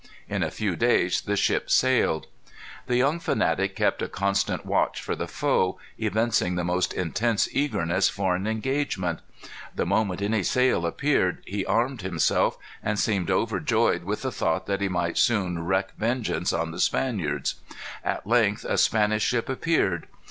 In a few days the ship sailed. The young fanatic kept a constant watch for the foe, evincing the most intense eagerness for an engagement. The moment any sail appeared, he armed himself, and seemed overjoyed with the thought that he might soon wreak vengeance on the Spaniards. At length, a Spanish ship appeared.